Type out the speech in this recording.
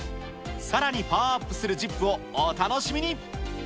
さらにパワーアップするＺＩＰ！をお楽しみに。